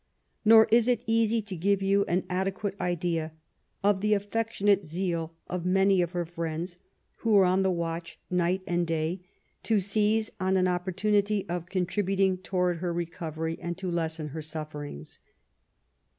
Nor is it easy to give you an adequate idea of the affectionate zeal of many of her friends, who were on the watch night and day to seize on an opportunity of contributing towards her recovery, and to lessen her sufferings.